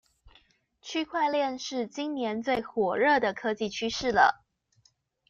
區塊鏈是今年最火熱的科技趨勢了